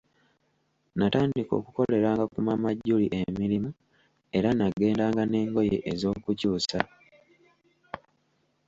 Natandika okukoleranga ku Maama Julie emirimu era nagendanga n'engoye ez'okukyusa.